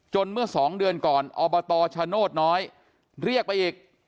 เมื่อ๒เดือนก่อนอบตชโนธน้อยเรียกไปอีก